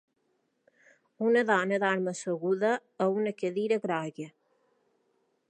Una dona dorm asseguda a una cadira groga.